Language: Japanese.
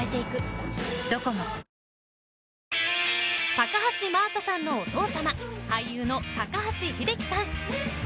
高橋真麻さんのお父様俳優の高橋英樹さん。